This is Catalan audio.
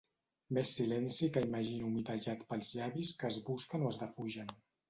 Més silenci que imagino humitejat pels llavis que es busquen o es defugen.